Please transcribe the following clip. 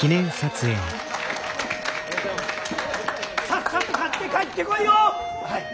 さっさと勝って帰ってこいよ！